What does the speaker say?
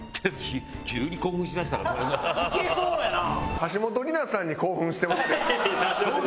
橋本梨菜さんに興奮してますやん。